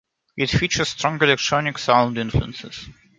It features strong electronic sound influences.